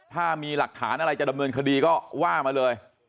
ถ้ามีหลักฐานอะไรจะดำเนินคดีก็ว่ามาเลย